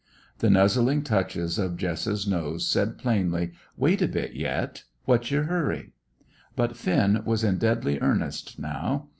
The nuzzling touches of Jess's nose said plainly, "Wait a bit, yet! What's your hurry?" But Finn was in deadly earnest now.